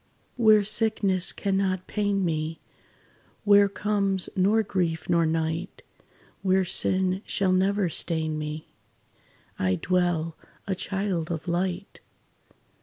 "Where sickness cannot pain me Where comes nor grief nor night Where sin shall never stain me, I dwell, a child of light.